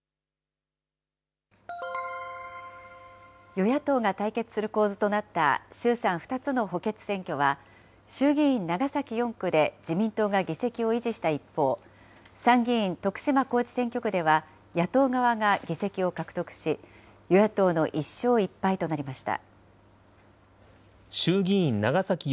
与野党が対決する構図となった衆参２つの補欠選挙は、衆議院長崎４区で自民党が議席を維持した一方、参議院徳島高知選挙区では、野党側が議席を獲得し、与野党の１勝１敗となりました。